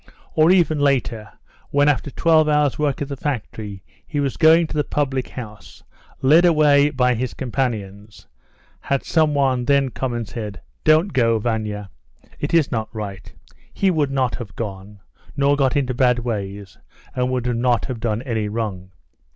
"Or even later, when, after 12 hours' work at the factory, he was going to the public house, led away by his companions, had some one then come and said, 'Don't go, Vania; it is not right,' he would not have gone, nor got into bad ways, and would not have done any wrong.